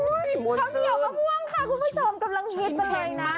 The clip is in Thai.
ข้าวเหนียวมะม่วงค่ะคุณผู้ชมกำลังฮิตมาเลยนะ